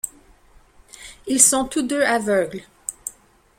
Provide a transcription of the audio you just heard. Ils sont tous deux aveugles.